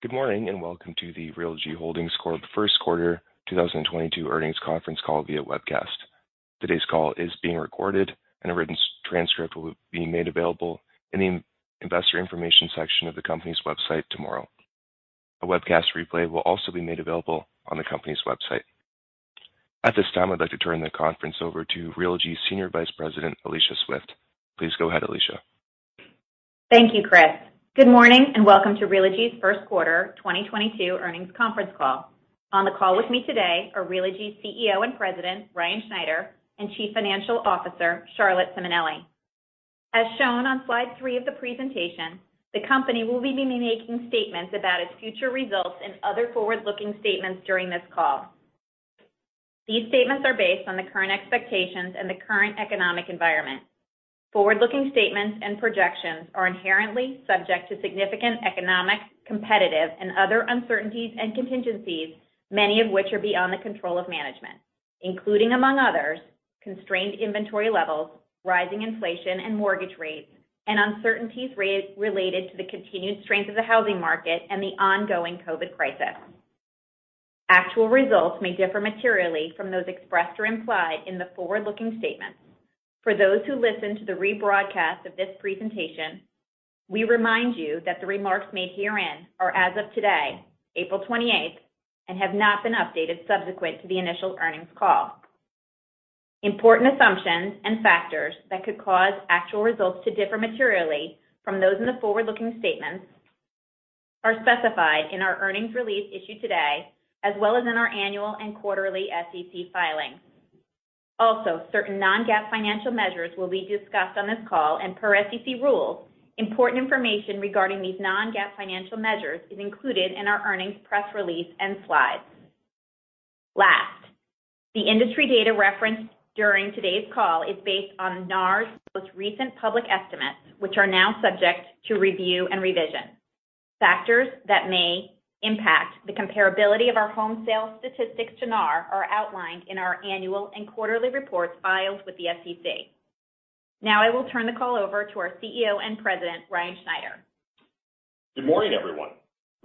Good morning, and welcome to the Realogy Holdings Corp. First Quarter 2022 Earnings Conference Call via webcast. Today's call is being recorded, and a written transcript will be made available in the investor information section of the company's website tomorrow. A webcast replay will also be made available on the company's website. At this time, I'd like to turn the conference over to Realogy's Senior Vice President, Alicia Swift. Please go ahead, Alicia. Thank you, Chris. Good morning, and welcome to Realogy's First Quarter 2022 Earnings Conference Call. On the call with me today are Realogy's CEO and President, Ryan Schneider, and Chief Financial Officer, Charlotte Simonelli. As shown on Slide 3 of the presentation, the company will be making statements about its future results and other forward-looking statements during this call. These statements are based on the current expectations and the current economic environment. Forward-looking statements and projections are inherently subject to significant economic, competitive, and other uncertainties and contingencies, many of which are beyond the control of management, including, among others, constrained inventory levels, rising inflation and mortgage rates, and uncertainties related to the continued strength of the housing market and the ongoing COVID crisis. Actual results may differ materially from those expressed or implied in the forward-looking statements. For those who listen to the rebroadcast of this presentation, we remind you that the remarks made herein are as of today, April 28th, and have not been updated subsequent to the initial earnings call. Important assumptions and factors that could cause actual results to differ materially from those in the forward-looking statements are specified in our earnings release issued today, as well as in our annual and quarterly SEC filings. Also, certain non-GAAP financial measures will be discussed on this call, and per SEC rules, important information regarding these non-GAAP financial measures is included in our earnings press release and slides. Last, the industry data referenced during today's call is based on NAR's most recent public estimates, which are now subject to review and revision. Factors that may impact the comparability of our home sales statistics to NAR are outlined in our annual and quarterly reports filed with the SEC. Now, I will turn the call over to our CEO and President, Ryan Schneider. Good morning, everyone.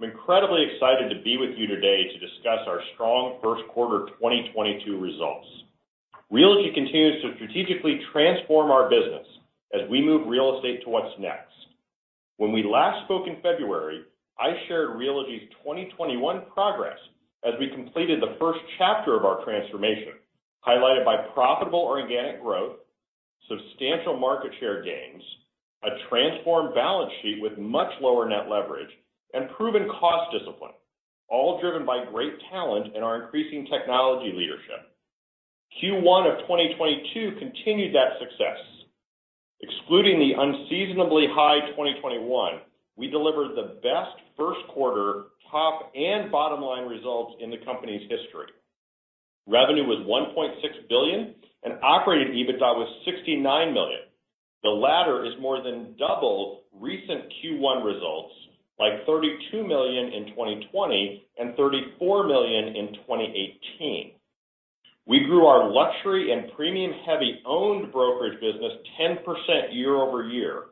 I'm incredibly excited to be with you today to discuss our strong first quarter 2022 results. Realogy continues to strategically transform our business as we move real estate to what's next. When we last spoke in February, I shared Realogy's 2021 progress as we completed the first chapter of our transformation, highlighted by profitable organic growth, substantial market share gains, a transformed balance sheet with much lower net leverage, and proven cost discipline, all driven by great talent and our increasing technology leadership. Q1 of 2022 continued that success. Excluding the unseasonably high 2021, we delivered the best first quarter top and bottom line results in the company's history. Revenue was $1.6 billion, and operating EBITDA was $69 million. The latter is more than double recent Q1 results, like $32 million in 2020 and $34 million in 2018. We grew our luxury and premium-heavy owned brokerage business 10% year-over-year,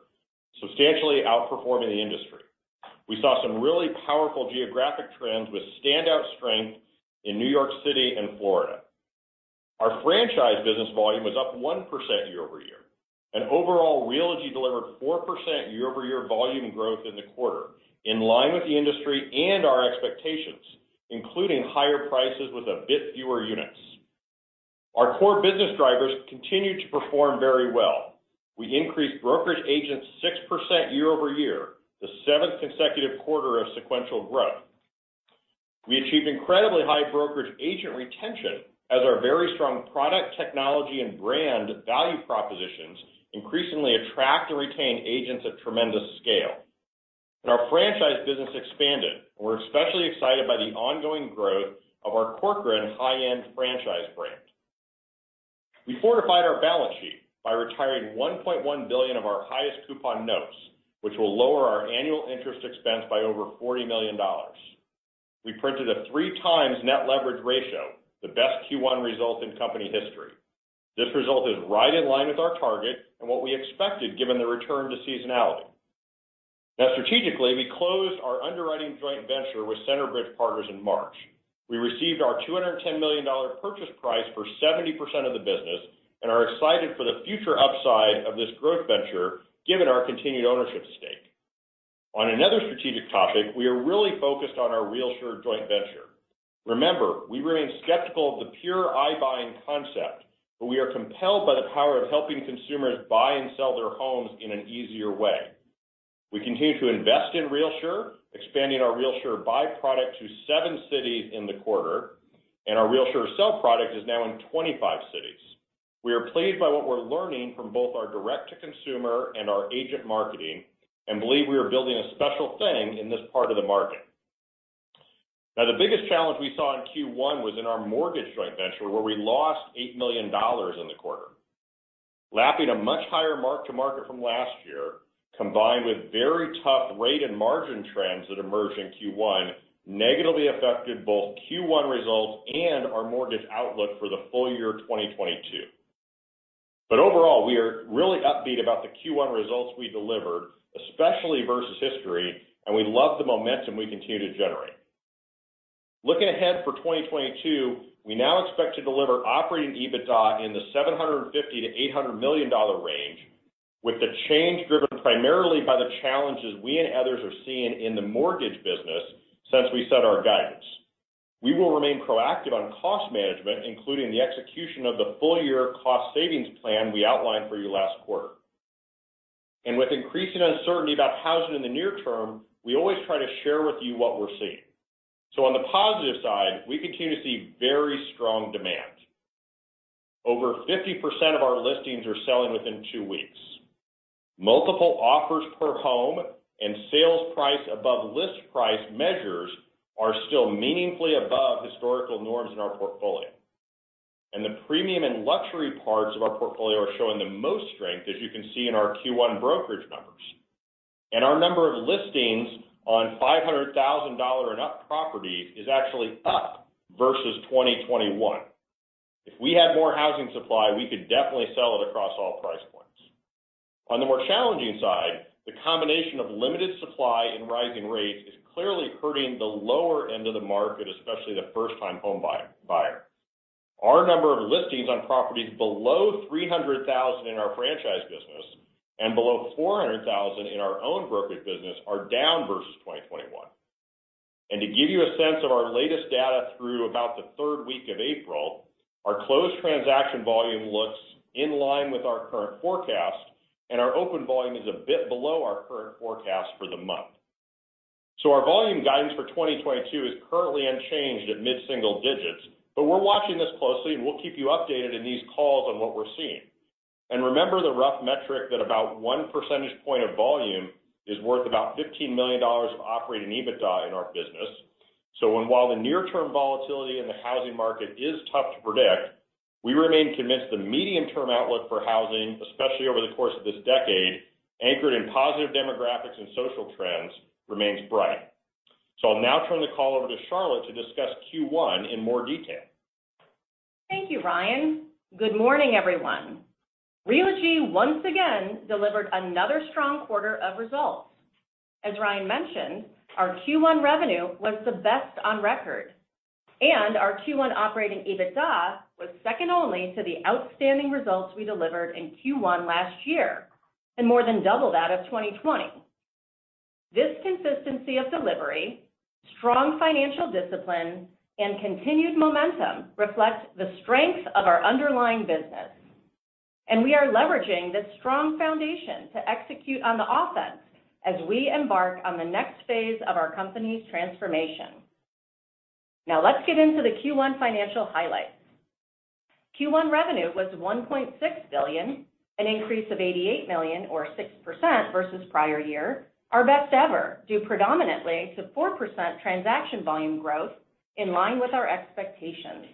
substantially outperforming the industry. We saw some really powerful geographic trends with standout strength in New York City and Florida. Our franchise business volume was up 1% year-over-year. Overall, Realogy delivered 4% year-over-year volume growth in the quarter, in line with the industry and our expectations, including higher prices with a bit fewer units. Our core business drivers continued to perform very well. We increased brokerage agents 6% year-over-year, the seventh consecutive quarter of sequential growth. We achieved incredibly high brokerage agent retention as our very strong product, technology, and brand value propositions increasingly attract and retain agents at tremendous scale. Our franchise business expanded. We're especially excited by the ongoing growth of our Corcoran high-end franchise brand. We fortified our balance sheet by retiring $1.1 billion of our highest coupon notes, which will lower our annual interest expense by over $40 million. We printed a 3x net leverage ratio, the best Q1 result in company history. This result is right in line with our target and what we expected given the return to seasonality. Now strategically, we closed our underwriting joint venture with Centerbridge Partners in March. We received our $210 million purchase price for 70% of the business and are excited for the future upside of this growth venture given our continued ownership stake. On another strategic topic, we are really focused on our RealSure joint venture. Remember, we remain skeptical of the pure iBuying concept, but we are compelled by the power of helping consumers buy and sell their homes in an easier way. We continue to invest in RealSure, expanding our RealSure Buy product to 7 cities in the quarter, and our RealSure Sell product is now in 25 cities. We are pleased by what we're learning from both our direct-to-consumer and our agent marketing, and believe we are building a special thing in this part of the market. Now, the biggest challenge we saw in Q1 was in our mortgage joint venture, where we lost $8 million in the quarter. Lapping a much higher mark-to-market from last year, combined with very tough rate and margin trends that emerged in Q1, negatively affected both Q1 results and our mortgage outlook for the full year 2022. Overall, we are really upbeat about the Q1 results we delivered, especially versus history, and we love the momentum we continue to generate. Looking ahead for 2022, we now expect to deliver operating EBITDA in the $750 million-$800 million range, with the change driven primarily by the challenges we and others are seeing in the mortgage business since we set our guidance. We will remain proactive on cost management, including the execution of the full-year cost savings plan we outlined for you last quarter. With increasing uncertainty about housing in the near term, we always try to share with you what we're seeing. On the positive side, we continue to see very strong demand. Over 50% of our listings are selling within 2 weeks. Multiple offers per home and sales price above list price measures are still meaningfully above historical norms in our portfolio. The premium and luxury parts of our portfolio are showing the most strength, as you can see in our Q1 brokerage numbers. Our number of listings on $500,000 and up properties is actually up versus 2021. If we had more housing supply, we could definitely sell it across all price points. On the more challenging side, the combination of limited supply and rising rates is clearly hurting the lower end of the market, especially the first-time homebuyer. Our number of listings on properties below $300,000 in our franchise business and below $400,000 in our own brokerage business are down versus 2021. To give you a sense of our latest data through about the third week of April, our closed transaction volume looks in line with our current forecast, and our open volume is a bit below our current forecast for the month. Our volume guidance for 2022 is currently unchanged at mid-single digits, but we're watching this closely, and we'll keep you updated in these calls on what we're seeing. Remember the rough metric that about one percentage point of volume is worth about $15 million of operating EBITDA in our business. While the near-term volatility in the housing market is tough to predict, we remain convinced the medium-term outlook for housing, especially over the course of this decade, anchored in positive demographics and social trends, remains bright. I'll now turn the call over to Charlotte to discuss Q1 in more detail. Thank you, Ryan. Good morning, everyone. Realogy once again delivered another strong quarter of results. As Ryan mentioned, our Q1 revenue was the best on record, and our Q1 operating EBITDA was second only to the outstanding results we delivered in Q1 last year and more than double that of 2020. This consistency of delivery, strong financial discipline, and continued momentum reflects the strength of our underlying business. We are leveraging this strong foundation to execute on the offense as we embark on the next phase of our company's transformation. Now let's get into the Q1 financial highlights. Q1 revenue was $1.6 billion, an increase of $88 million or 6% versus prior year, our best ever, due predominantly to 4% transaction volume growth in line with our expectations.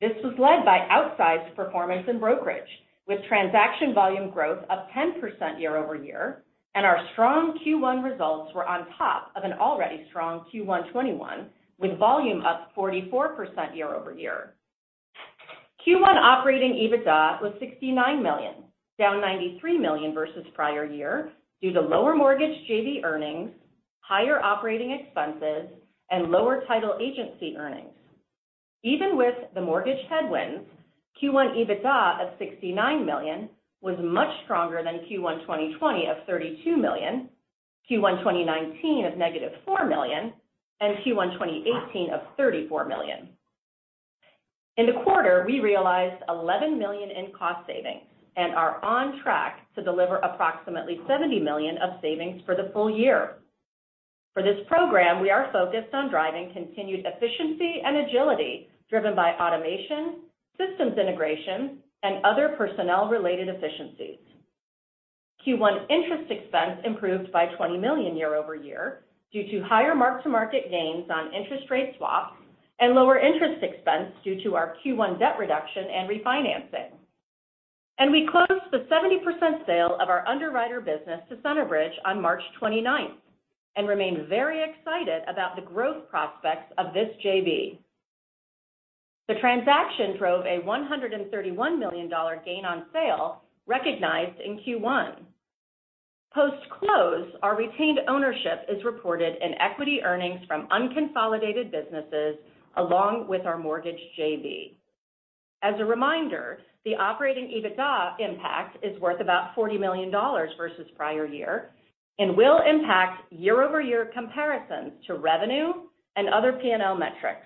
This was led by outsized performance in brokerage, with transaction volume growth of 10% year-over-year, and our strong Q1 results were on top of an already strong Q1 2021, with volume up 44% year-over-year. Q1 operating EBITDA was $69 million, down $93 million versus prior year due to lower mortgage JV earnings, higher operating expenses, and lower title agency earnings. Even with the mortgage headwinds, Q1 EBITDA of $69 million was much stronger than Q1 2020 of $32 million, Q1 2019 of -$4 million, and Q1 2018 of $34 million. In the quarter, we realized $11 million in cost savings and are on track to deliver approximately $70 million of savings for the full year. For this program, we are focused on driving continued efficiency and agility driven by automation, systems integration, and other personnel-related efficiencies. Q1 interest expense improved by $20 million year-over-year due to higher mark-to-market gains on interest rate swaps and lower interest expense due to our Q1 debt reduction and refinancing. We closed the 70% sale of our underwriter business to Centerbridge on March 29th and remain very excited about the growth prospects of this JV. The transaction drove a $131 million gain on sale recognized in Q1. Post-close, our retained ownership is reported in equity earnings from unconsolidated businesses along with our mortgage JV. As a reminder, the operating EBITDA impact is worth about $40 million versus prior year and will impact year-over-year comparisons to revenue and other P&L metrics.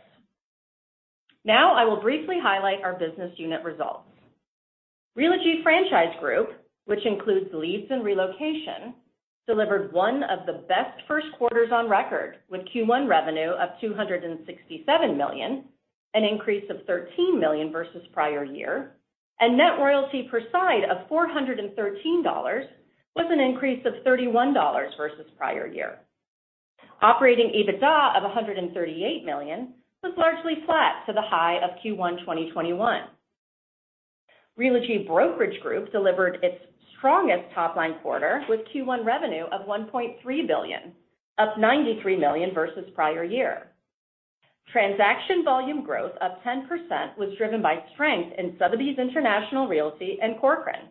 Now I will briefly highlight our business unit results. Realogy Franchise Group, which includes leads and relocation, delivered one of the best first quarters on record, with Q1 revenue of $267 million, an increase of $13 million versus prior year, and net royalty per side of $413 was an increase of $31 versus prior year. Operating EBITDA of $138 million was largely flat to the high of Q1 2021. Realogy Brokerage Group delivered its strongest top-line quarter with Q1 revenue of $1.3 billion, up $93 million versus prior year. Transaction volume growth of 10% was driven by strength in Sotheby's International Realty and Corcoran.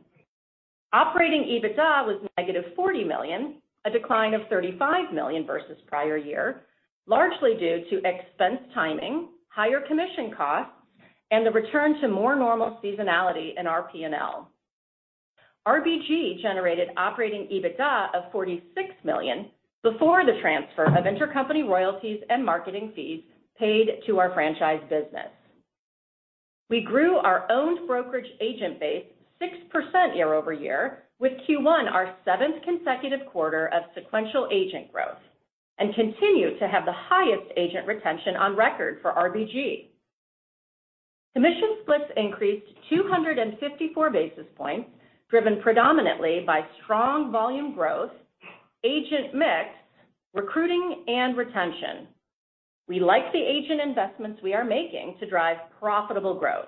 Operating EBITDA was negative $40 million, a decline of $35 million versus prior year, largely due to expense timing, higher commission costs, and the return to more normal seasonality in our P&L. RBG generated operating EBITDA of $46 million before the transfer of intercompany royalties and marketing fees paid to our franchise business. We grew our own brokerage agent base 6% year-over-year, with Q1 our seventh consecutive quarter of sequential agent growth, and continue to have the highest agent retention on record for RBG. Commission splits increased 254 basis points, driven predominantly by strong volume growth, agent mix, recruiting, and retention. We like the agent investments we are making to drive profitable growth.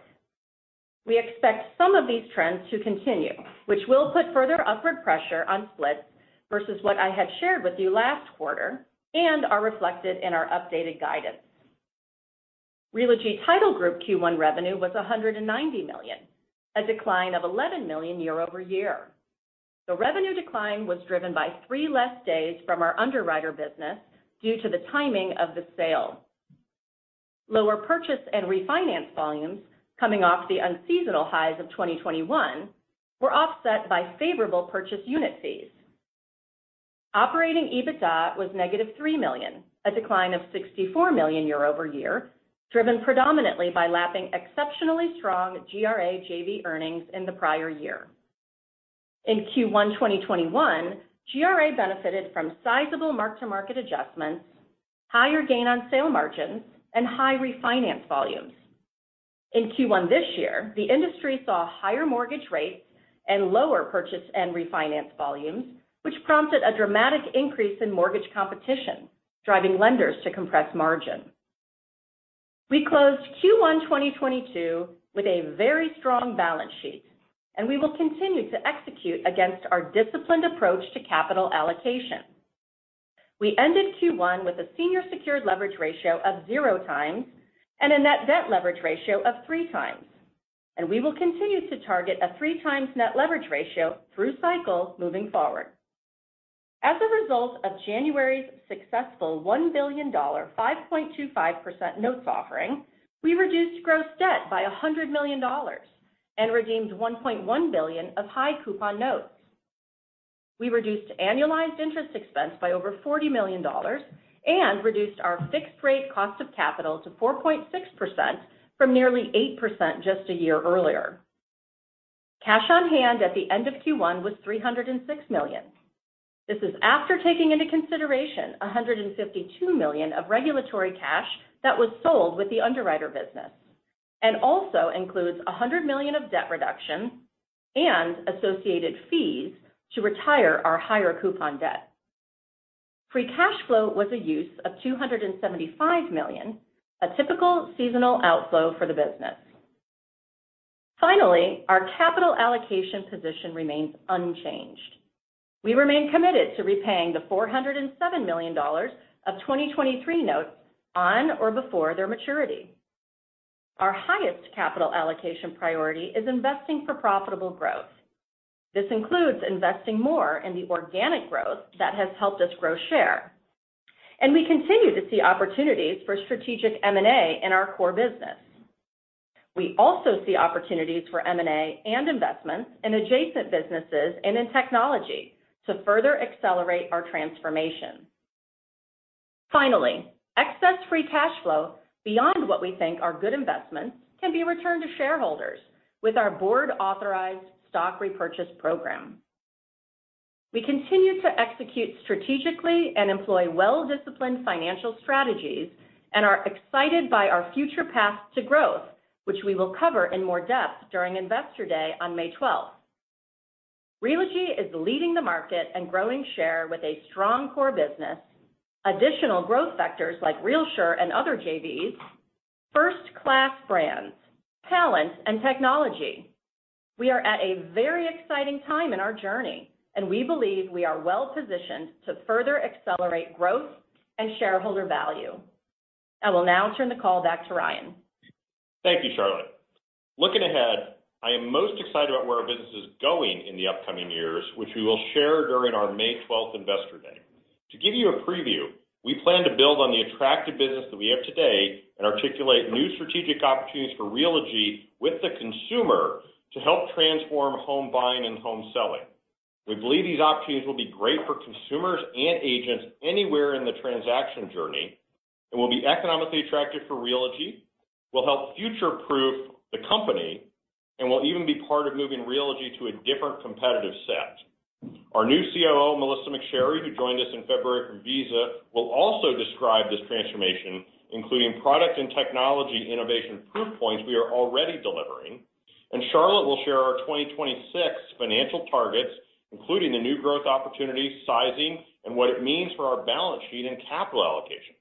We expect some of these trends to continue, which will put further upward pressure on splits versus what I had shared with you last quarter and are reflected in our updated guidance. Realogy Title Group Q1 revenue was $190 million, a decline of $11 million year-over-year. The revenue decline was driven by 3 less days from our underwriter business due to the timing of the sale. Lower purchase and refinance volumes coming off the unseasonal highs of 2021 were offset by favorable purchase unit fees. Operating EBITDA was negative $3 million, a decline of $64 million year-over-year, driven predominantly by lapping exceptionally strong GRA JV earnings in the prior year. In Q1 2021, GRA benefited from sizable mark-to-market adjustments, higher gain on sale margins, and high refinance volumes. In Q1 this year, the industry saw higher mortgage rates and lower purchase and refinance volumes, which prompted a dramatic increase in mortgage competition, driving lenders to compress margin. We closed Q1 2022 with a very strong balance sheet, and we will continue to execute against our disciplined approach to capital allocation. We ended Q1 with a senior secured leverage ratio of 0x and a net debt leverage ratio of 3x, and we will continue to target a 3x net leverage ratio through cycle moving forward. As a result of January's successful $1 billion, 5.25% notes offering, we reduced gross debt by $100 million and redeemed $1.1 billion of high coupon notes. We reduced annualized interest expense by over $40 million and reduced our fixed rate cost of capital to 4.6% from nearly 8% just a year earlier. Cash on hand at the end of Q1 was $306 million. This is after taking into consideration $152 million of regulatory cash that was sold with the underwriter business, and also includes $100 million of debt reduction and associated fees to retire our higher coupon debt. Free cash flow was a use of $275 million, a typical seasonal outflow for the business. Finally, our capital allocation position remains unchanged. We remain committed to repaying the $407 million of 2023 notes on or before their maturity. Our highest capital allocation priority is investing for profitable growth. This includes investing more in the organic growth that has helped us grow share, and we continue to see opportunities for strategic M&A in our core business. We also see opportunities for M&A and investments in adjacent businesses and in technology to further accelerate our transformation. Finally, excess free cash flow beyond what we think are good investments can be returned to shareholders with our board-authorized stock repurchase program. We continue to execute strategically and employ well-disciplined financial strategies and are excited by our future path to growth, which we will cover in more depth during Investor Day on May twelfth. Realogy is leading the market and growing share with a strong core business, additional growth vectors like RealSure and other JVs, first-class brands, talent, and technology. We are at a very exciting time in our journey, and we believe we are well-positioned to further accelerate growth and shareholder value. I will now turn the call back to Ryan. Thank you, Charlotte. Looking ahead, I am most excited about where our business is going in the upcoming years, which we will share during our May 12 Investor Day. To give you a preview, we plan to build on the attractive business that we have today and articulate new strategic opportunities for Realogy with the consumer to help transform home buying and home selling. We believe these opportunities will be great for consumers and agents anywhere in the transaction journey and will be economically attractive for Realogy, will help future-proof the company, and will even be part of moving Realogy to a different competitive set. Our new COO, Melissa McSherry, who joined us in February from Visa, will also describe this transformation, including product and technology innovation proof points we are already delivering. Charlotte will share our 2026 financial targets, including the new growth opportunities, sizing, and what it means for our balance sheet and capital allocation.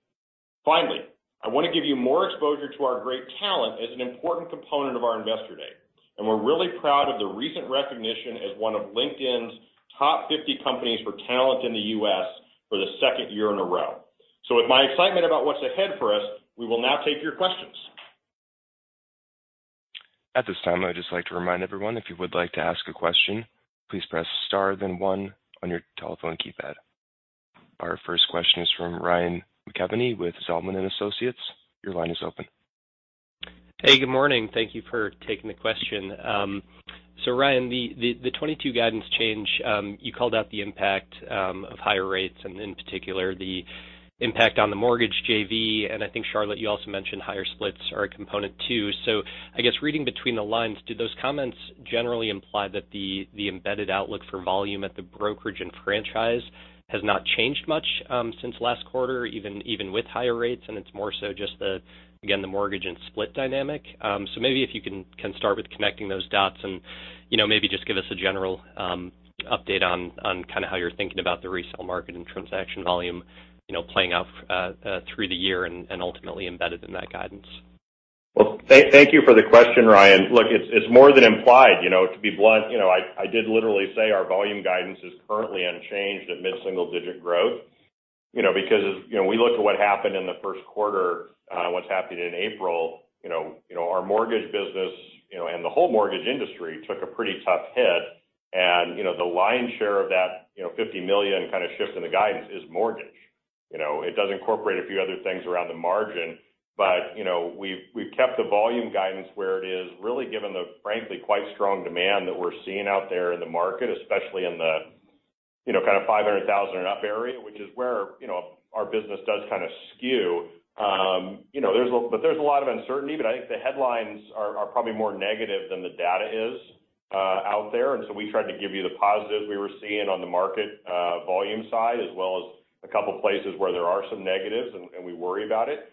Finally, I wanna give you more exposure to our great talent as an important component of our Investor Day. We're really proud of the recent recognition as one of LinkedIn's top 50 companies for talent in the U.S. for the second year in a row. With my excitement about what's ahead for us, we will now take your questions. At this time, I would just like to remind everyone, if you would like to ask a question, please press star then one on your telephone keypad. Our first question is from Ryan McKeveny with Zelman & Associates. Your line is open. Hey, good morning. Thank you for taking the question. Ryan, the 2022 guidance change, you called out the impact of higher rates, and in particular, the impact on the mortgage JV. I think, Charlotte, you also mentioned higher splits are a component too. I guess reading between the lines, do those comments generally imply that the embedded outlook for volume at the brokerage and franchise has not changed much since last quarter, even with higher rates, and it's more so just again the mortgage and split dynamic? Maybe if you can start with connecting those dots and, you know, maybe just give us a general update on kind of how you're thinking about the resale market and transaction volume, you know, playing out through the year and ultimately embedded in that guidance. Well, thank you for the question, Ryan. Look, it's more than implied, you know. To be blunt, you know, I did literally say our volume guidance is currently unchanged at mid-single-digit growth. You know, because, you know, we look at what happened in the first quarter, what's happened in April, you know, our mortgage business, you know, and the whole mortgage industry took a pretty tough hit. You know, the lion's share of that, you know, $50 million kind of shift in the guidance is mortgage. You know, it does incorporate a few other things around the margin, but, you know, we've kept the volume guidance where it is really given the, frankly, quite strong demand that we're seeing out there in the market, especially in the, you know, kind of 500,000 and up area, which is where, you know, our business does kind of skew. You know, but there's a lot of uncertainty, but I think the headlines are probably more negative than the data is out there. We tried to give you the positives we were seeing on the market volume side, as well as a couple places where there are some negatives and we worry about it.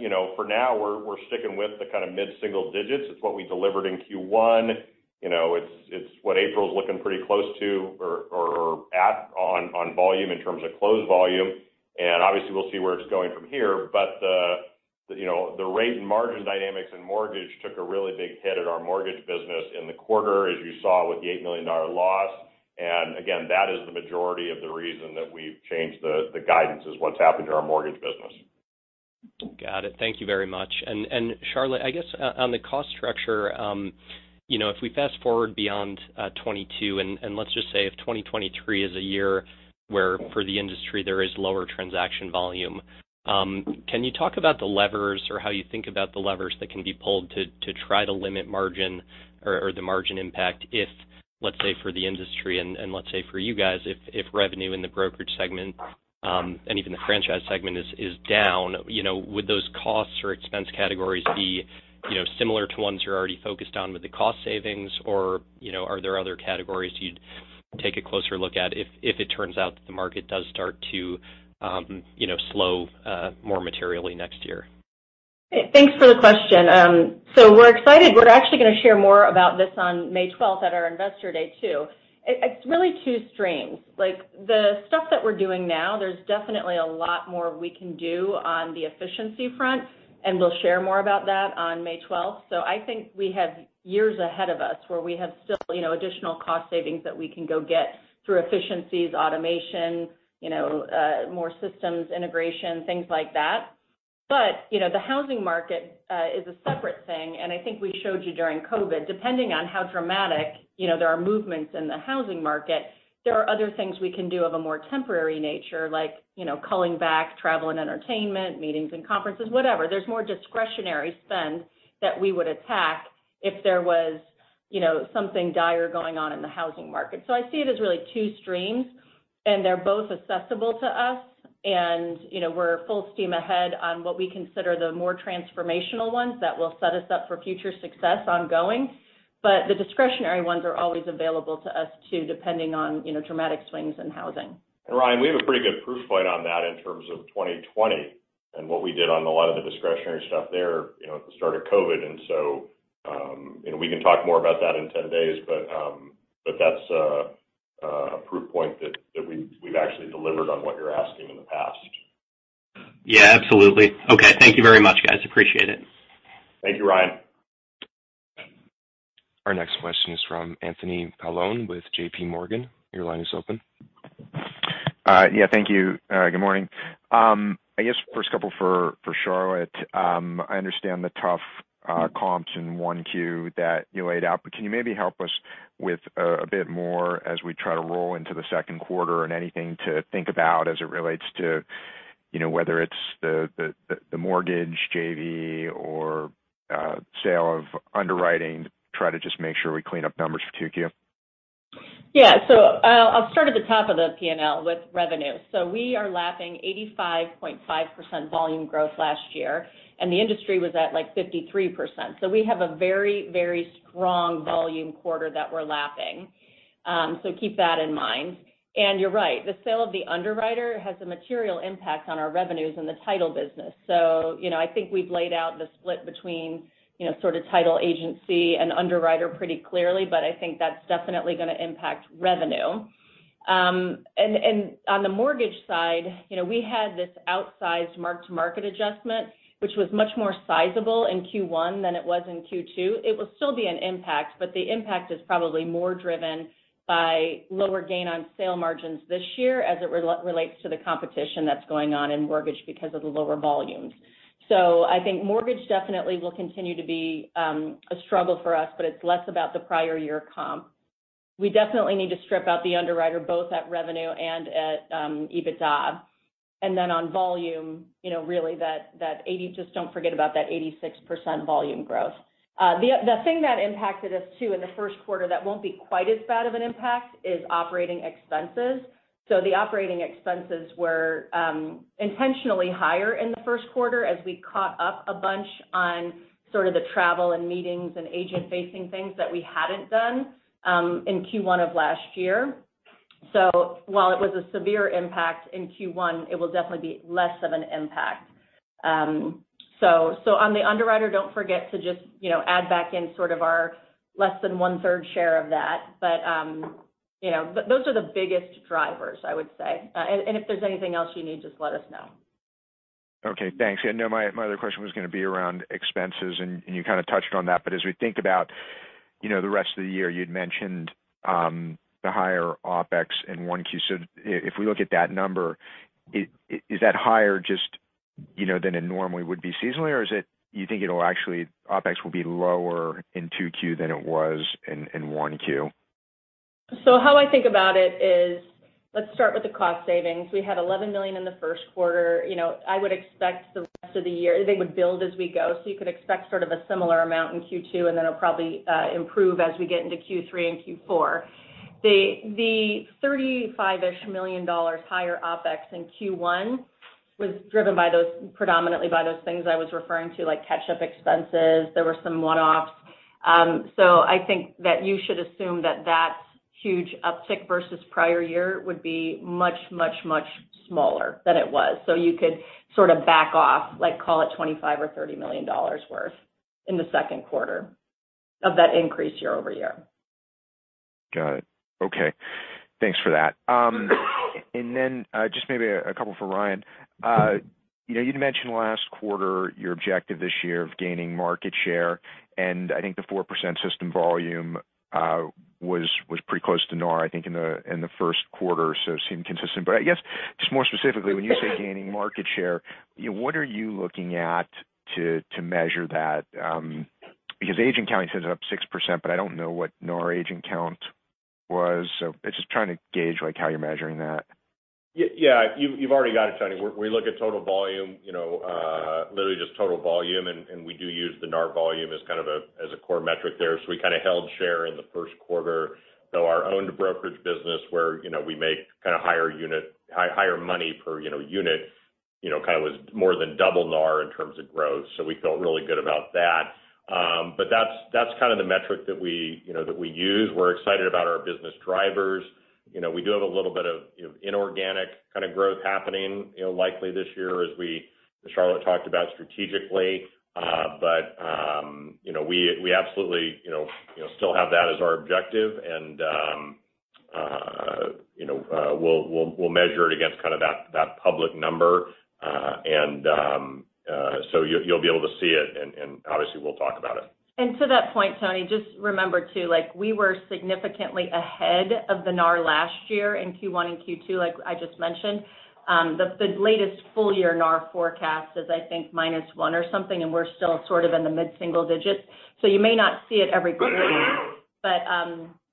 You know, for now, we're sticking with the kind of mid-single digits. It's what we delivered in Q1. You know, it's what April's looking pretty close to or at on volume in terms of closed volume. Obviously, we'll see where it's going from here. The you know the rate and margin dynamics in mortgage took a really big hit at our mortgage business in the quarter, as you saw with the $8 million loss. Again, that is the majority of the reason that we've changed the guidance is what's happened to our mortgage business. Got it. Thank you very much. Charlotte, I guess on the cost structure, you know, if we fast-forward beyond 2022 and let's just say if 2023 is a year where for the industry there is lower transaction volume, can you talk about the levers or how you think about the levers that can be pulled to try to limit margin or the margin impact if, let's say, for the industry and let's say for you guys, if revenue in the brokerage segment and even the franchise segment is down, you know, would those costs or expense categories be similar to ones you're already focused on with the cost savings, or you know, are there other categories you'd take a closer look at if it turns out that the market does start to slow more materially next year? Thanks for the question. We're excited. We're actually gonna share more about this on May twelfth at our Investor Day too. It's really two streams. Like, the stuff that we're doing now, there's definitely a lot more we can do on the efficiency front, and we'll share more about that on May twelfth. I think we have years ahead of us where we have still, you know, additional cost savings that we can go get through efficiencies, automation, you know, more systems integration, things like that. You know, the housing market is a separate thing, and I think we showed you during COVID, depending on how dramatic, you know, there are movements in the housing market, there are other things we can do of a more temporary nature, like, you know, culling back travel and entertainment, meetings and conferences, whatever. There's more discretionary spend that we would attack if there was, you know, something dire going on in the housing market. I see it as really two streams, and they're both accessible to us. You know, we're full steam ahead on what we consider the more transformational ones that will set us up for future success ongoing. The discretionary ones are always available to us, too, depending on, you know, dramatic swings in housing. Ryan, we have a pretty good proof point on that in terms of 2020 and what we did on a lot of the discretionary stuff there, you know, at the start of COVID. You know, we can talk more about that in 10 days, but that's a proof point that we've actually delivered on what you're asking in the past. Yeah, absolutely. Okay, thank you very much, guys. Appreciate it. Thank you, Ryan. Our next question is from Anthony Paolone with JPMorgan. Your line is open. Yeah, thank you. Good morning. I guess first couple for Charlotte. I understand the tough comps in 1Q that you laid out, but can you maybe help us with a bit more as we try to roll into the second quarter and anything to think about as it relates to, you know, whether it's the mortgage JV or sale of underwriting? Try to just make sure we clean up numbers for 2Q. Yeah. I'll start at the top of the P&L with revenue. We are lapping 85.5% volume growth last year, and the industry was at, like, 53%. We have a very, very strong volume quarter that we're lapping. Keep that in mind. You're right. The sale of the underwriter has a material impact on our revenues in the title business. You know, I think we've laid out the split between, you know, sort of title agency and underwriter pretty clearly, but I think that's definitely gonna impact revenue. On the mortgage side, you know, we had this outsized mark-to-market adjustment, which was much more sizable in Q1 than it was in Q2. It will still be an impact, but the impact is probably more driven by lower gain on sale margins this year as it relates to the competition that's going on in mortgage because of the lower volumes. I think mortgage definitely will continue to be a struggle for us, but it's less about the prior year comp. We definitely need to strip out the underwriter both at revenue and at EBITDA. Then on volume, you know, really, just don't forget about that 86% volume growth. The thing that impacted us too in the first quarter that won't be quite as bad of an impact is operating expenses. The operating expenses were intentionally higher in the first quarter as we caught up a bunch on sort of the travel and meetings and agent-facing things that we hadn't done in Q1 of last year. While it was a severe impact in Q1, it will definitely be less of an impact. On the underwriter, don't forget to just, you know, add back in sort of our less than one-third share of that. You know, those are the biggest drivers, I would say. If there's anything else you need, just let us know. Okay. Thanks. Yeah, no, my other question was gonna be around expenses, and you kind of touched on that. As we think about, you know, the rest of the year, you'd mentioned the higher OpEx in 1Q. If we look at that number, is that higher just, you know, than it normally would be seasonally, or is it you think it'll actually OpEx will be lower in 2Q than it was in 1Q? How I think about it is, let's start with the cost savings. We had $11 million in the first quarter. You know, I would expect the rest of the year, they would build as we go. You could expect sort of a similar amount in Q2, and then it'll probably improve as we get into Q3 and Q4. The $35-ish million higher OpEx in Q1 was driven by those, predominantly by those things I was referring to, like catch-up expenses. There were some one-offs. I think that you should assume that huge uptick versus prior year would be much, much, much smaller than it was. You could sort of back off, like, call it $25 or $30 million worth in the second quarter of that increase year-over-year. Got it. Okay. Thanks for that. Just maybe a couple for Ryan. You know, you'd mentioned last quarter your objective this year of gaining market share, and I think the 4% system volume was pretty close to NAR, I think, in the first quarter, so it seemed consistent. I guess just more specifically, when you say gaining market share, you know, what are you looking at to measure that? Because agent count is up 6%, but I don't know what NAR agent count was. It's just trying to gauge, like, how you're measuring that. Yeah. You've already got it, Tony. We look at total volume, you know, literally just total volume, and we do use the NAR volume as kind of a core metric there. We kind of held share in the first quarter. Though our own brokerage business, where, you know, we make kind of higher unit higher money per unit, you know, kind of was more than double NAR in terms of growth. We felt really good about that. But that's kind of the metric that we use. We're excited about our business drivers. You know, we do have a little bit of inorganic kind of growth happening, you know, likely this year as Charlotte talked about strategically. You know, we absolutely you know still have that as our objective and you know we'll measure it against kind of that public number. You'll be able to see it and obviously we'll talk about it. To that point, Tony, just remember too, like we were significantly ahead of the NAR last year in Q1 and Q2, like I just mentioned. The latest full year NAR forecast is, I think, -1% or something, and we're still sort of in the mid-single digits%. You may not see it every quarter.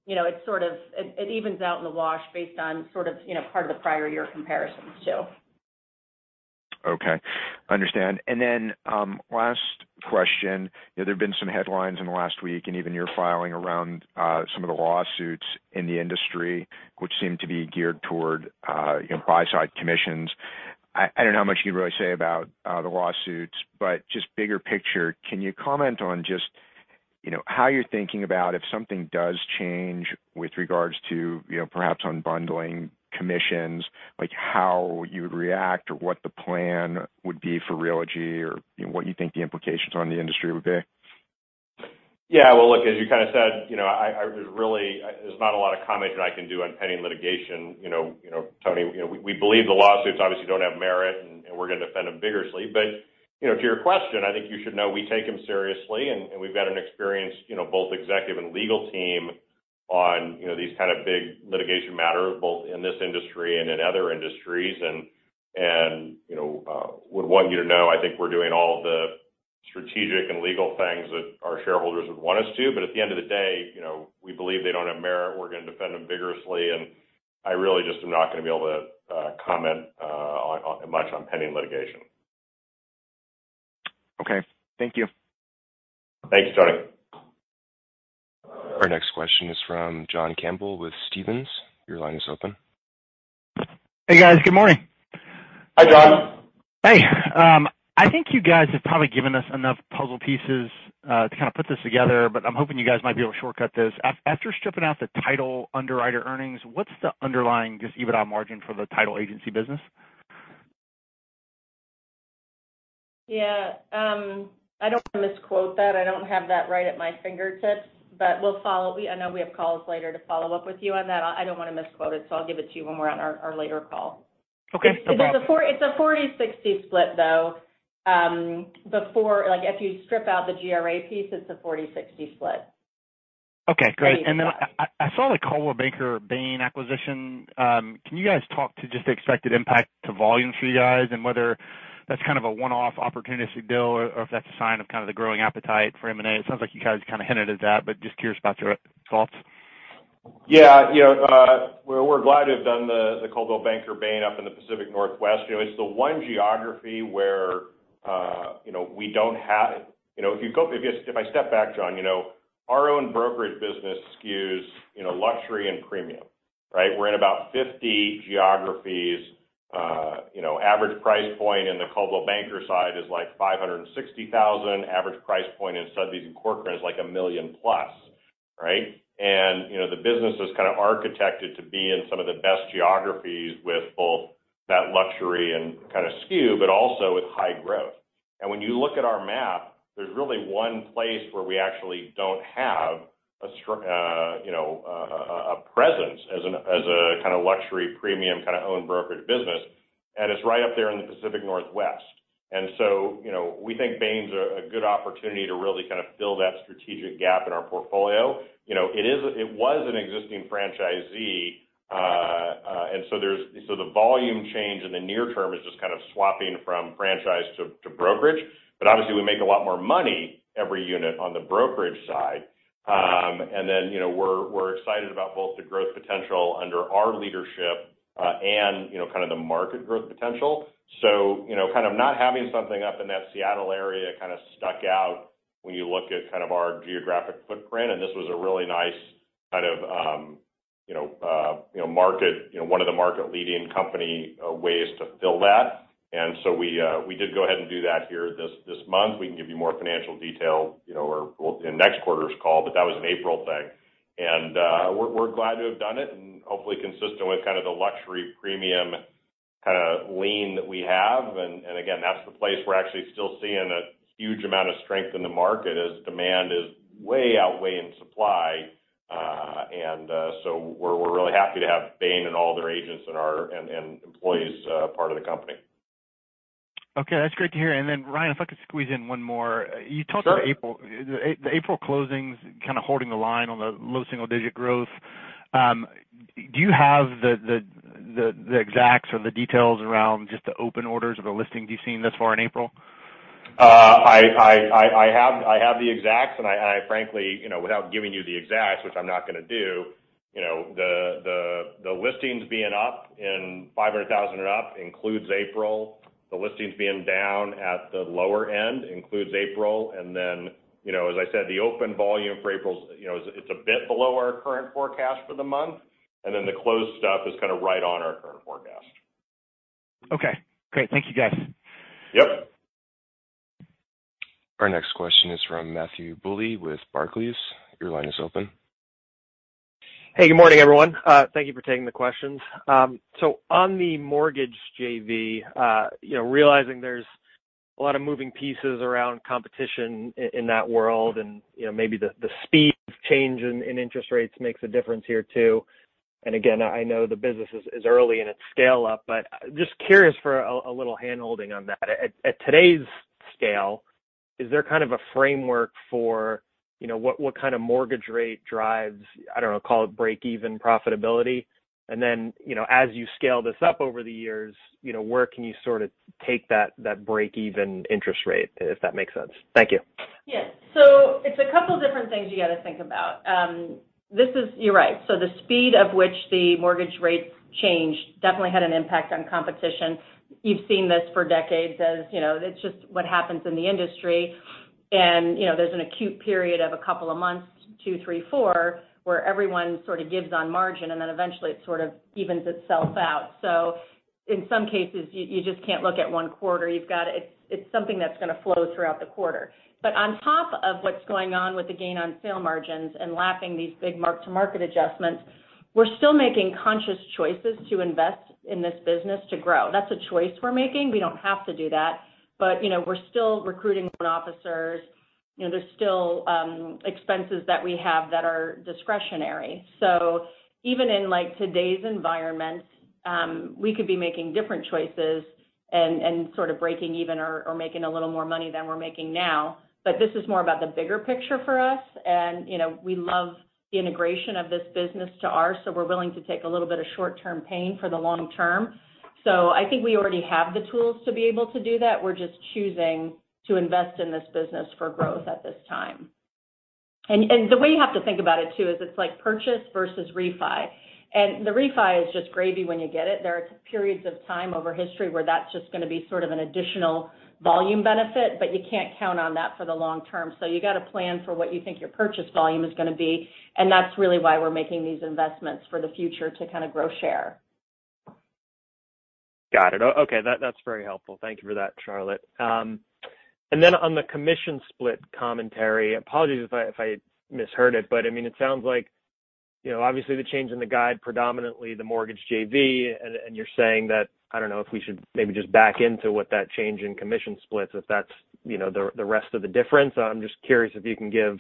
You know, it's sort of it evens out in the wash based on sort of, you know, part of the prior year comparisons. Okay. Understand. Last question. You know, there've been some headlines in the last week and even your filing around some of the lawsuits in the industry which seem to be geared toward you know, buy-side commissions. I don't know how much you can really say about the lawsuits, but just bigger picture, can you comment on just you know, how you're thinking about if something does change with regards to you know, perhaps on bundling commissions, like how you would react or what the plan would be for Realogy or you know, what you think the implications on the industry would be? Yeah. Well, look, as you kind of said, you know, there's really not a lot of commentary I can do on pending litigation. You know, Tony, you know, we believe the lawsuits obviously don't have merit, and we're gonna defend them vigorously. To your question, I think you should know we take them seriously, and we've got an experienced, you know, both executive and legal team on, you know, these kind of big litigation matters, both in this industry and in other industries. You know, would want you to know, I think we're doing all the strategic and legal things that our shareholders would want us to. At the end of the day, you know, we believe they don't have merit. We're gonna defend them vigorously, and I really just am not gonna be able to comment on much on pending litigation. Okay. Thank you. Thanks, Tony. Our next question is from John Campbell with Stephens. Your line is open. Hey, guys. Good morning. Hi, John. Hey. I think you guys have probably given us enough puzzle pieces to kind of put this together. I'm hoping you guys might be able to shortcut this. After stripping out the title underwriter earnings, what's the underlying just EBITDA margin for the title agency business? I don't wanna misquote that. I don't have that right at my fingertips. I know we have calls later to follow up with you on that. I don't wanna misquote it, so I'll give it to you when we're on our later call. Okay. No problem. It's a 40/60 split, though. Like, if you strip out the GRA piece, it's a 40/60 split. Okay, great. I saw the Coldwell Banker Bain acquisition. Can you guys talk to just the expected impact to volume for you guys and whether that's kind of a one-off opportunistic deal or if that's a sign of kind of the growing appetite for M&A? It sounds like you guys kind of hinted at that, but just curious about your thoughts. Yeah. You know, we're glad to have done the Coldwell Banker Bain up in the Pacific Northwest. You know, it's the one geography where we don't have. You know, if I step back, John, you know, our own brokerage business skews luxury and premium, right? We're in about 50 geographies. You know, average price point in the Coldwell Banker side is, like, $560,000. Average price point in Sotheby's and Corcoran is, like, $1 million plus, right? You know, the business was kind of architected to be in some of the best geographies with both that luxury and kind of skew, but also with high growth. When you look at our map, there's really one place where we actually don't have you know a presence as a kind of luxury premium kind of owned brokerage business, and it's right up there in the Pacific Northwest. You know, we think Bain's a good opportunity to really kind of fill that strategic gap in our portfolio. You know, it was an existing franchisee. The volume change in the near term is just kind of swapping from franchise to brokerage. Obviously, we make a lot more money every unit on the brokerage side. You know, we're excited about both the growth potential under our leadership, and you know, kind of the market growth potential. you know, kind of not having something up in that Seattle area kind of stuck out when you look at kind of our geographic footprint, and this was a really nice kind of, you know, market, you know, one of the market leading company, ways to fill that. we did go ahead and do that here this month. We can give you more financial detail, you know, or, well, in next quarter's call, but that was an April thing. we're glad to have done it, and hopefully consistent with kind of the luxury premium kinda lean that we have. again, that's the place we're actually still seeing a huge amount of strength in the market as demand is way outweighing supply. We're really happy to have Bain and all their agents and employees part of the company. Okay. That's great to hear. Ryan, if I could squeeze in one more. Sure. You talked about April. The April closings kind of holding the line on the low single-digit growth. Do you have the exacts or the details around just the open orders or the listings you've seen thus far in April? I have the exacts, and I frankly, you know, without giving you the exacts, which I'm not gonna do, you know, the listings being up in 500,000 and up includes April. The listings being down at the lower end includes April. You know, as I said, the open volume for April is, you know, it's a bit below our current forecast for the month, and then the closed stuff is kinda right on our current forecast. Okay, great. Thank you, guys. Yep. Our next question is from Matthew Bouley with Barclays. Your line is open. Hey, good morning, everyone. Thank you for taking the questions. So on the mortgage JV, you know, realizing there's a lot of moving pieces around competition in that world and, you know, maybe the speed of change in interest rates makes a difference here too. Again, I know the business is early in its scale up, but just curious for a little handholding on that. At today's scale, is there kind of a framework for, you know, what kind of mortgage rate drives, I don't know, call it break even profitability? And then, you know, as you scale this up over the years, you know, where can you sort of take that break even interest rate, if that makes sense? Thank you. Yes. It's a couple different things you gotta think about. You're right. The speed of which the mortgage rates changed definitely had an impact on competition. You've seen this for decades as, you know, it's just what happens in the industry. You know, there's an acute period of a couple of months, 2, 3, 4, where everyone sort of gives on margin, and then eventually it sort of evens itself out. In some cases, you just can't look at one quarter. You've gotta. It's something that's gonna flow throughout the quarter. On top of what's going on with the gain on sale margins and lapping these big mark-to-market adjustments, we're still making conscious choices to invest in this business to grow. That's a choice we're making. We don't have to do that. You know, we're still recruiting loan officers. You know, there's still expenses that we have that are discretionary. Even in, like, today's environment, we could be making different choices and sort of breaking even or making a little more money than we're making now. This is more about the bigger picture for us and, you know, we love the integration of this business to ours, so we're willing to take a little bit of short-term pain for the long term. I think we already have the tools to be able to do that. We're just choosing to invest in this business for growth at this time. The way you have to think about it too is it's like purchase versus refi. The refi is just gravy when you get it. There are periods of time over history where that's just gonna be sort of an additional volume benefit, but you can't count on that for the long term. You gotta plan for what you think your purchase volume is gonna be, and that's really why we're making these investments for the future to kinda grow share. Got it. Okay, that's very helpful. Thank you for that, Charlotte. Then on the commission split commentary, apologies if I misheard it, but I mean, it sounds like you know, obviously, the change in the guide, predominantly the mortgage JV, and you're saying that I don't know if we should maybe just back into what that change in commission splits if that's, you know, the rest of the difference. I'm just curious if you can give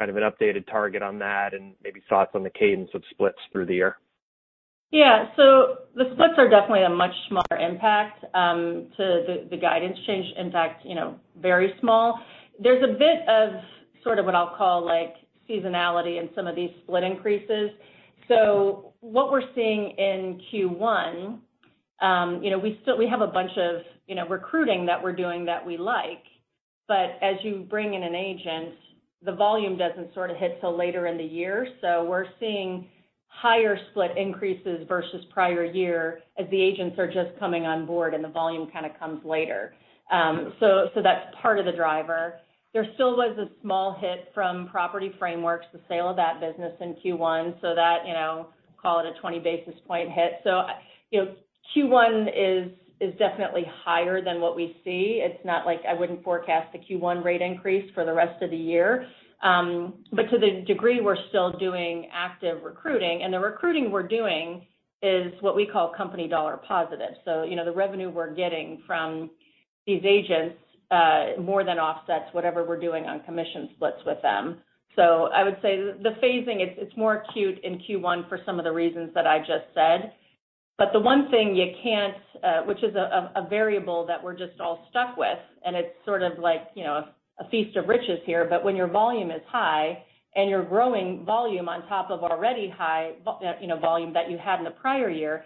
kind of an updated target on that and maybe thoughts on the cadence of splits through the year. Yeah. The splits are definitely a much smaller impact to the guidance change. In fact, you know, very small. There's a bit of sort of what I'll call, like, seasonality in some of these split increases. What we're seeing in Q1, you know, we still have a bunch of, you know, recruiting that we're doing that we like. As you bring in an agent, the volume doesn't sort of hit till later in the year. We're seeing higher split increases versus prior year as the agents are just coming on board and the volume kind of comes later. That's part of the driver. There still was a small hit from Property Frameworks, the sale of that business in Q1. That, you know, call it a 20 basis point hit. You know, Q1 is definitely higher than what we see. It's not like I wouldn't forecast the Q1 rate increase for the rest of the year. But to the degree we're still doing active recruiting, and the recruiting we're doing is what we call company dollar positive. You know, the revenue we're getting from these agents more than offsets whatever we're doing on commission splits with them. I would say the phasing it's more acute in Q1 for some of the reasons that I just said. The one thing you can't, which is a variable that we're just all stuck with, and it's sort of like, you know, a feast of riches here, but when your volume is high and you're growing volume on top of already high volume that you had in the prior year,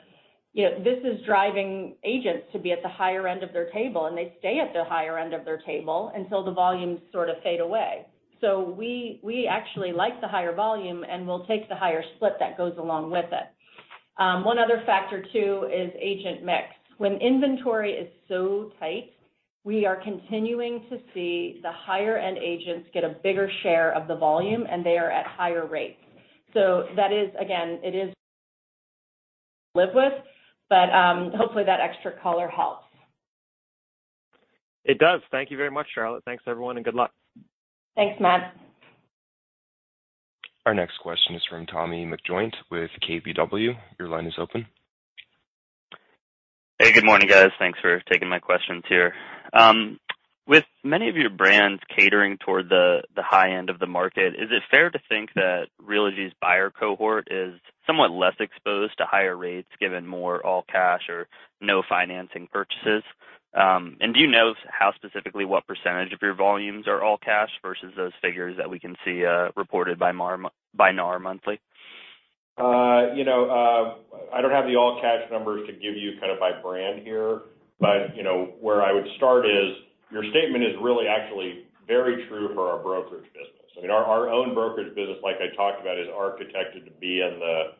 you know, this is driving agents to be at the higher end of their table, and they stay at the higher end of their table until the volumes sort of fade away. We actually like the higher volume, and we'll take the higher split that goes along with it. One other factor too is agent mix. When inventory is so tight, we are continuing to see the higher end agents get a bigger share of the volume, and they are at higher rates. That is, again, it is live with, but hopefully, that extra color helps. It does. Thank you very much, Charlotte. Thanks, everyone, and good luck. Thanks, Matt. Our next question is from Tommy McJoynt with KBW. Your line is open. Hey, good morning, guys. Thanks for taking my questions here. With many of your brands catering toward the high end of the market, is it fair to think that Realogy's buyer cohort is somewhat less exposed to higher rates given more all cash or no financing purchases? Do you know how specifically what percentage of your volumes are all cash versus those figures that we can see reported by NAR monthly? You know, I don't have the all-cash numbers to give you kind of by brand here, but you know, where I would start is, your statement is really actually very true for our brokerage business. I mean, our own brokerage business, like I talked about, is architected to be in the,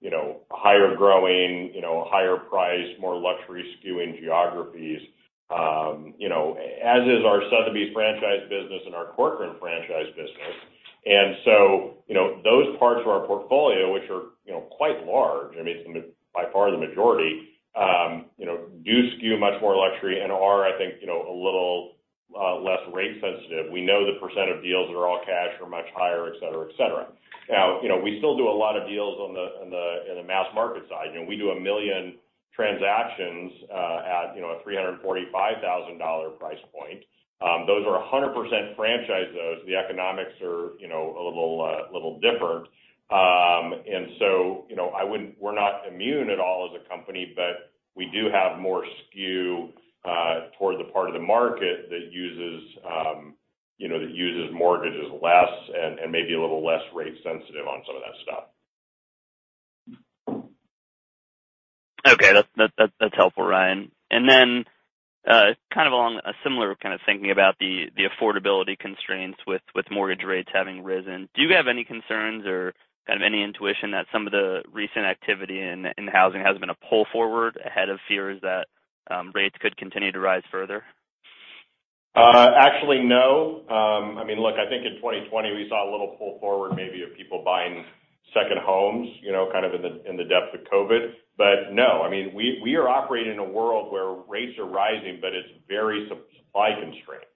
you know, higher growing, you know, higher priced, more luxury skewing geographies, you know, as is our Sotheby's franchise business and our Corcoran franchise business. You know, those parts of our portfolio, which are, you know, quite large, I mean, it's the by far the majority, you know, do skew much more luxury and are, I think, you know, a little less rate sensitive. We know the percent of deals that are all cash are much higher, et cetera, et cetera. Now, you know, we still do a lot of deals in the mass market side. You know, we do a million transactions at a $345,000 price point. Those are 100% franchise, though, so the economics are a little different. You know, we're not immune at all as a company, but we do have more skew toward the part of the market that uses mortgages less and maybe a little less rate sensitive on some of that stuff. Okay. That's helpful, Ryan. Kind of along a similar kind of thinking about the affordability constraints with mortgage rates having risen, do you have any concerns or kind of any intuition that some of the recent activity in housing has been a pull forward ahead of fears that rates could continue to rise further? Actually, no. I mean, look, I think in 2020 we saw a little pull forward maybe of people buying second homes, you know, kind of in the depths of COVID. No, I mean, we are operating in a world where rates are rising, but it's very supply constrained,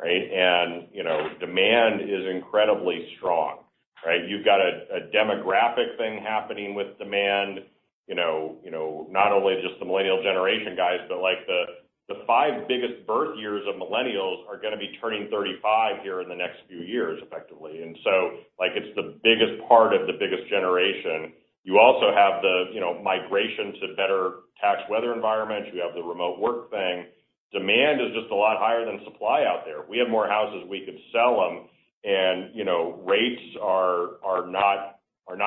right? You know, demand is incredibly strong, right? You've got a demographic thing happening with demand, you know, the five biggest birth years of millennials are gonna be turning 35 here in the next few years, effectively. Like, it's the biggest part of the biggest generation. You also have the migration to better tax weather environments. You have the remote work thing. Demand is just a lot higher than supply out there. If we had more houses, we could sell them. You know, rates are not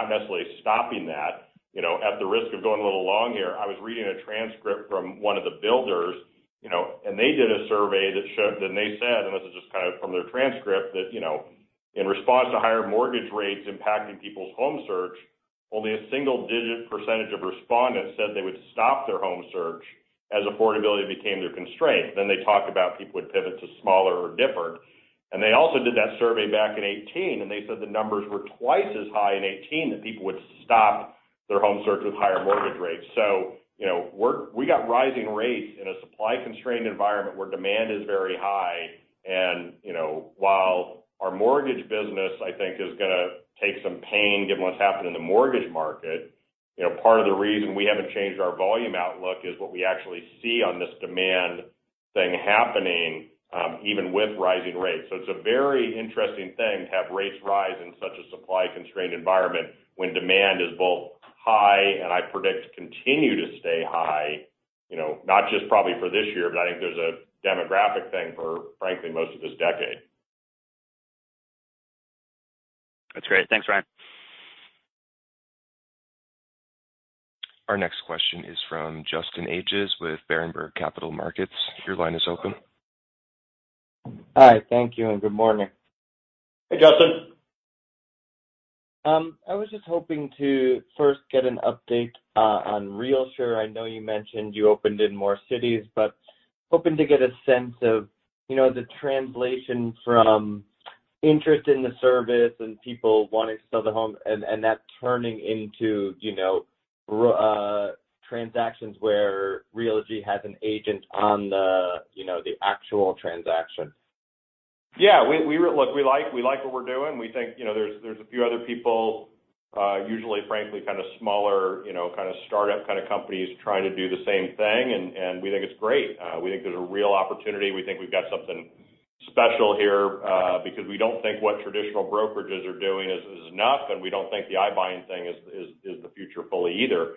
necessarily stopping that. You know, at the risk of going a little long here, I was reading a transcript from one of the builders, you know, and they did a survey that showed, and they said, and this is just kind of from their transcript, that, you know, in response to higher mortgage rates impacting people's home search, only a single-digit % of respondents said they would stop their home search as affordability became their constraint. They talked about people would pivot to smaller or different. They also did that survey back in 2018, and they said the numbers were twice as high in 2018 than people would stop their home search with higher mortgage rates. you know, we got rising rates in a supply-constrained environment where demand is very high. you know, while our mortgage business, I think, is gonna take some pain given what's happened in the mortgage market, you know, part of the reason we haven't changed our volume outlook is what we actually see on this demand thing happening, even with rising rates. it's a very interesting thing to have rates rise in such a supply-constrained environment when demand is both high, and I predict continue to stay high, you know, not just probably for this year, but I think there's a demographic thing for, frankly, most of this decade. That's great. Thanks, Ryan. Our next question is from Justin Ages with Berenberg Capital Markets. Your line is open. Hi. Thank you, and good morning. Hey, Justin. I was just hoping to first get an update on RealSure. I know you mentioned you opened in more cities, but hoping to get a sense of, you know, the translation from interest in the service and people wanting to sell their home and that turning into, you know, transactions where Realogy has an agent on the, you know, the actual transaction. Yeah. Look, we like what we're doing. We think, you know, there's a few other people, usually frankly, kind of smaller, you know, kind of startup kind of companies trying to do the same thing, and we think it's great. We think there's a real opportunity. We think we've got something special here, because we don't think what traditional brokerages are doing is enough, and we don't think the iBuying thing is the future fully either.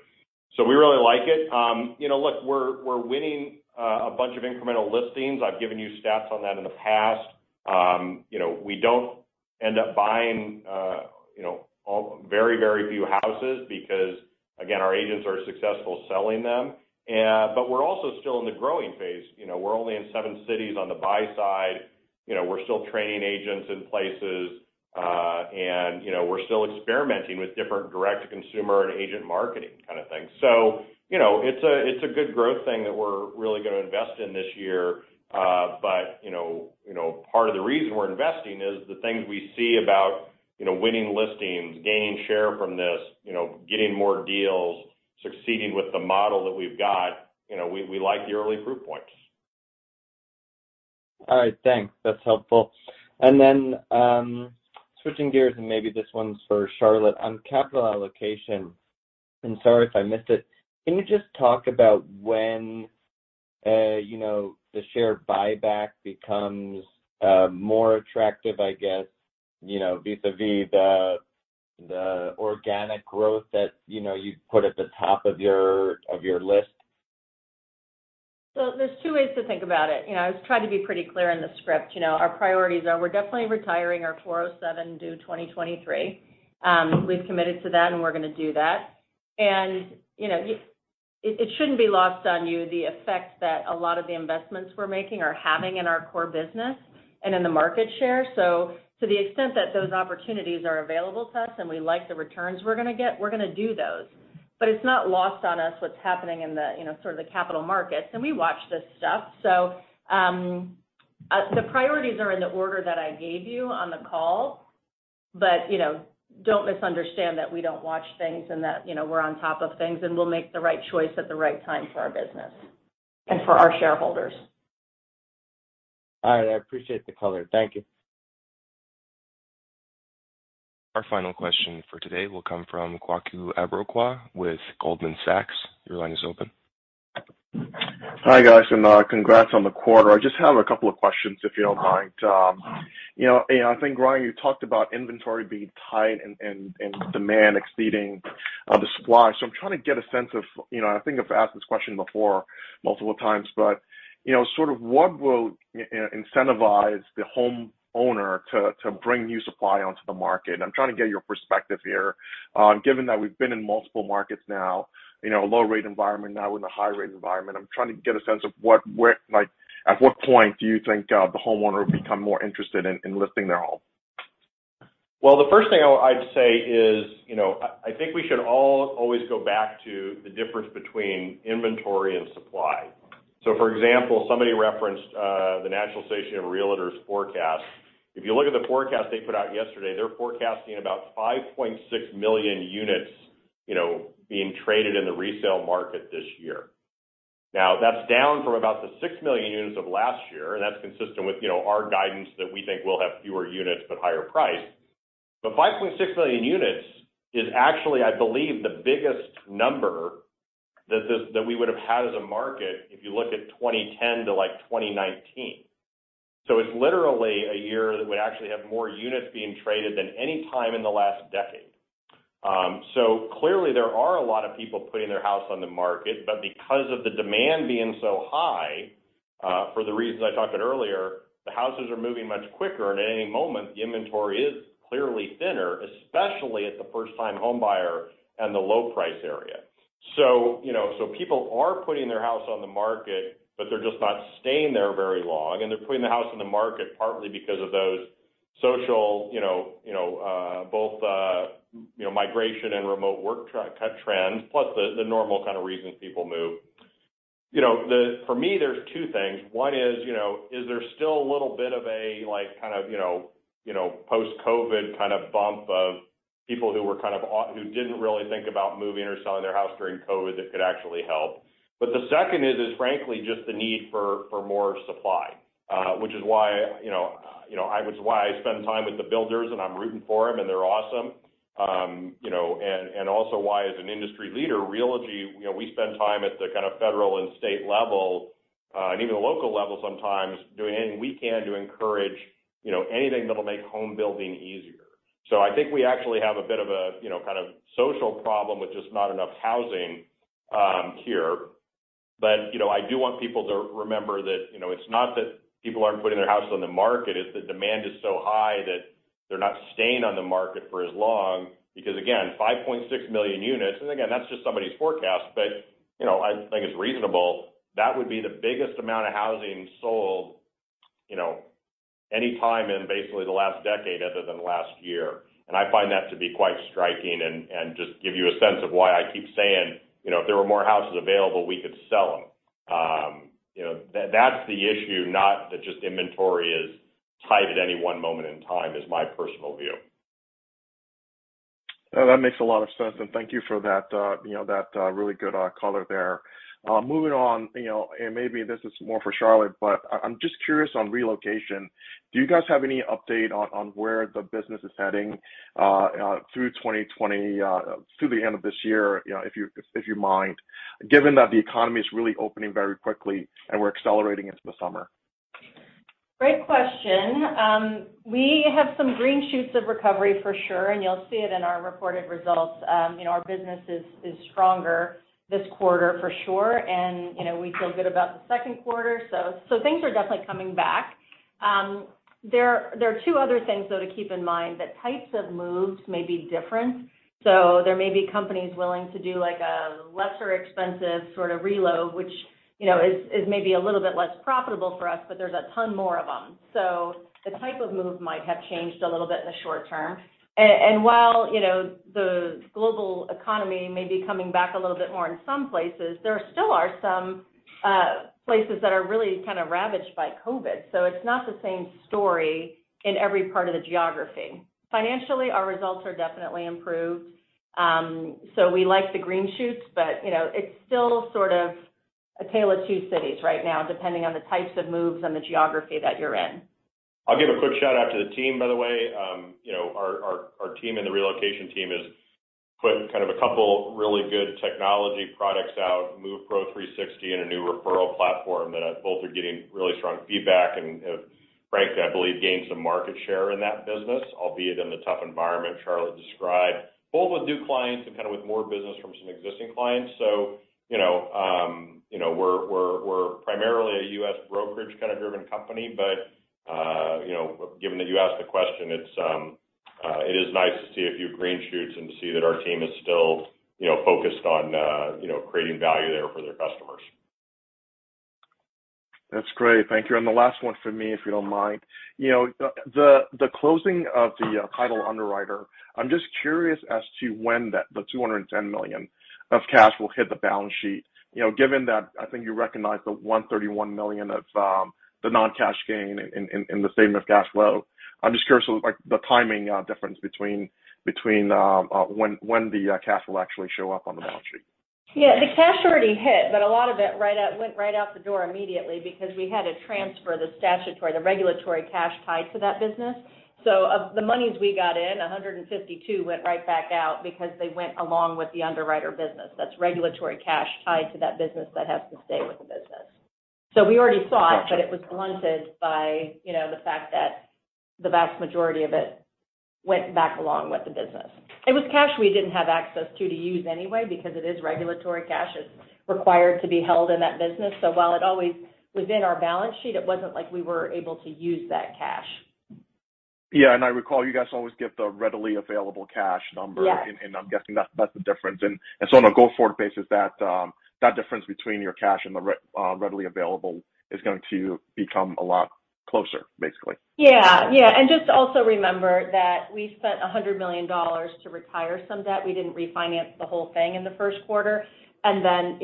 We really like it. You know, look, we're winning a bunch of incremental listings. I've given you stats on that in the past. You know, we don't end up buying very few houses because, again, our agents are successful selling them. We're also still in the growing phase. You know, we're only in 7 cities on the buy side. You know, we're still training agents in places, and, you know, we're still experimenting with different direct-to-consumer and agent marketing kind of thing. You know, it's a good growth thing that we're really gonna invest in this year. You know, part of the reason we're investing is the things we see about, you know, winning listings, gaining share from this, you know, getting more deals, succeeding with the model that we've got. You know, we like the early proof points. All right. Thanks. That's helpful. Switching gears, maybe this one's for Charlotte. On capital allocation, sorry if I missed it, can you just talk about when, you know, the share buyback becomes more attractive, I guess, you know, vis-a-vis the organic growth that, you know, you put at the top of your list? There's two ways to think about it. You know, I was trying to be pretty clear in the script. You know, our priorities are we're definitely retiring our 407 due 2023. We've committed to that, and we're gonna do that. You know, it shouldn't be lost on you the effects that a lot of the investments we're making are having in our core business and in the market share. To the extent that those opportunities are available to us and we like the returns we're gonna get, we're gonna do those. It's not lost on us what's happening in the, you know, sort of the capital markets, and we watch this stuff. The priorities are in the order that I gave you on the call. you know, don't misunderstand that we don't watch things and that, you know, we're on top of things, and we'll make the right choice at the right time for our business and for our shareholders. All right. I appreciate the color. Thank you. Our final question for today will come from Kwaku Abrokwah with Goldman Sachs. Your line is open. Hi, guys, and congrats on the quarter. I just have a couple of questions, if you don't mind. You know, I think, Ryan, you talked about inventory being tight and demand exceeding the supply. I'm trying to get a sense of, you know, I think I've asked this question before multiple times, but, you know, sort of what will incentivize the home owner to bring new supply onto the market? I'm trying to get your perspective here. Given that we've been in multiple markets now, you know, low rate environment, now in the high rate environment, I'm trying to get a sense of what, like, at what point do you think the homeowner will become more interested in listing their home? Well, the first thing I'd say is, you know, I think we should all always go back to the difference between inventory and supply. For example, somebody referenced the National Association of Realtors forecast. If you look at the forecast they put out yesterday, they're forecasting about 5.6 million units, you know, being traded in the resale market this year. Now, that's down from about the 6 million units of last year, and that's consistent with, you know, our guidance that we think we'll have fewer units but higher price. 5.6 million units is actually, I believe, the biggest number that we would have had as a market if you look at 2010 to, like, 2019. It's literally a year that we actually have more units being traded than any time in the last decade. Clearly there are a lot of people putting their house on the market, but because of the demand being so high, for the reasons I talked about earlier, the houses are moving much quicker, and at any moment, the inventory is clearly thinner, especially at the first-time home buyer and the low price area. You know, so people are putting their house on the market, but they're just not staying there very long, and they're putting the house on the market partly because of those social, you know, both, you know, migration and remote work trends, plus the normal kind of reasons people move. You know, for me, there's two things. One is, you know, is there still a little bit of a like, kind of, you know, post-COVID kind of bump of people who didn't really think about moving or selling their house during COVID that could actually help. The second is frankly just the need for more supply. Which is why, you know, I spend time with the builders, and I'm rooting for them, and they're awesome. Also why as an industry leader, Realogy, you know, we spend time at the kind of federal and state level, and even local level sometimes doing anything we can to encourage, you know, anything that'll make home building easier. I think we actually have a bit of a, you know, kind of social problem with just not enough housing here. You know, I do want people to remember that, you know, it's not that people aren't putting their house on the market, it's that demand is so high that they're not staying on the market for as long. Because again, 5.6 million units, and again, that's just somebody's forecast, but, you know, I think it's reasonable, that would be the biggest amount of housing sold, you know, any time in basically the last decade other than last year. I find that to be quite striking and just give you a sense of why I keep saying, you know, if there were more houses available, we could sell them. You know, that's the issue, not that just inventory is tight at any one moment in time is my personal view. No, that makes a lot of sense. Thank you for that, you know, that really good color there. Moving on, you know, maybe this is more for Charlotte, but I'm just curious on relocation. Do you guys have any update on where the business is heading through 2020, through the end of this year, you know, if you mind? Given that the economy is really opening very quickly and we're accelerating into the summer. Great question. We have some green shoots of recovery for sure, and you'll see it in our reported results. You know, our business is stronger this quarter for sure. You know, we feel good about the second quarter. Things are definitely coming back. There are two other things, though, to keep in mind, that types of moves may be different. There may be companies willing to do like a lesser expensive sort of relocation, which, you know, is maybe a little bit less profitable for us, but there's a ton more of them. The type of move might have changed a little bit in the short term. While, you know, the global economy may be coming back a little bit more in some places, there still are some places that are really kind of ravaged by COVID. It's not the same story in every part of the geography. Financially, our results are definitely improved. We like the green shoots, but, you know, it's still sort of a tale of two cities right now, depending on the types of moves and the geography that you're in. I'll give a quick shout-out to the team, by the way. You know, our team and the relocation team has put kind of a couple really good technology products out, MovePro360 and a new referral platform that both are getting really strong feedback and have, frankly, I believe, gained some market share in that business, albeit in the tough environment Charlotte described. Both with new clients and kind of with more business from some existing clients. You know, we're primarily a U.S. brokerage kind of driven company, but you know, given that you asked the question, it is nice to see a few green shoots and to see that our team is still, you know, focused on, you know, creating value there for their customers. That's great. Thank you. The last one for me, if you don't mind. You know, the closing of the title underwriter, I'm just curious as to when that, the $210 million of cash will hit the balance sheet. You know, given that I think you recognize the $131 million of the non-cash gain in the statement of cash flow. I'm just curious of, like, the timing difference between when the cash will actually show up on the balance sheet. Yeah. The cash already hit, but a lot of it went right out the door immediately because we had to transfer the statutory, the regulatory cash tied to that business. Of the monies we got in, $152 million went right back out because they went along with the underwriter business. That's regulatory cash tied to that business that has to stay with the business. We already saw it, but it was blunted by, you know, the fact that the vast majority of it went back along with the business. It was cash we didn't have access to use anyway because it is regulatory cash. It's required to be held in that business. While it always was in our balance sheet, it wasn't like we were able to use that cash. Yeah. I recall you guys always get the readily available cash number. Yeah. I'm guessing that's the difference. On a go-forward basis, that difference between your cash and the readily available is going to become a lot closer, basically. Just also remember that we spent $100 million to retire some debt. We didn't refinance the whole thing in the first quarter. You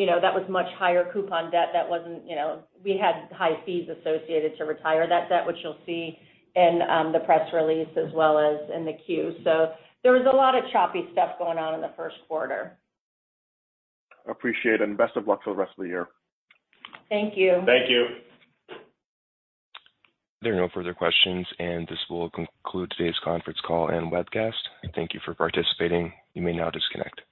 know, that was much higher coupon debt that wasn't, you know. We had high fees associated to retire that debt, which you'll see in the press release as well as in the Q. There was a lot of choppy stuff going on in the first quarter. Appreciate it, and best of luck for the rest of the year. Thank you. Thank you. There are no further questions, and this will conclude today's conference call and webcast. Thank you for participating. You may now disconnect.